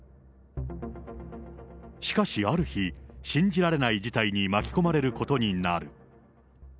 しかしある日、信じられない事態に巻き込まれることになる。